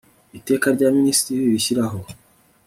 iteka rya minisitiri rishyiraho